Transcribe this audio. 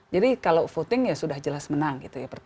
jadi kalau voting ya sudah jelas menang